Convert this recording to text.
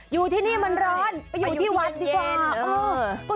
อยู่ที่นี่มันร้อนไปอยู่ที่วัดดีกว่า